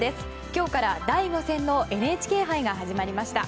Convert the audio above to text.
今日から第５戦のＮＨＫ杯が始まりました。